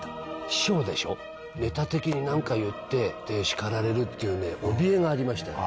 師匠でしょ、ネタ的になんか言って、叱られるっていうね、怯えがありましたよ。